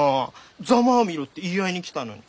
「ざまあみろ」って言い合いに来たのに。